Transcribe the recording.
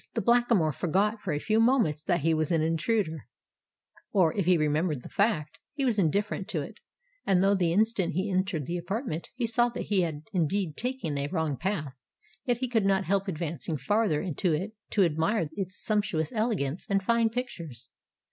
The Blackamoor forgot for a few moments that he was an intruder—or, if he remembered the fact, he was indifferent to it: and, though the instant he entered this apartment he saw that he had indeed taken a wrong path, yet he could not help advancing farther into it to admire its sumptuous elegance and fine pictures.